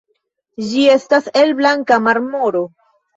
Ĝi estas el blanka marmoro.